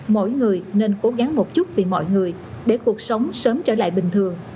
mỗi người nên cố gắng một chút vì mọi người để cuộc sống sớm trở lại bình thường